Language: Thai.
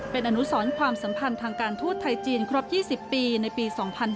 เป็นอนุสรความสัมพันธ์ทางการทูตไทยจีนครบ๒๐ปีในปี๒๕๕๙